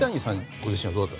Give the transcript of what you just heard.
ご自身はどうでした？